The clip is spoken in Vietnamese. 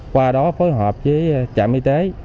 qua đó phối hợp với trạm y tế